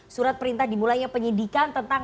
surat perintah dimulainya penyidikan tentang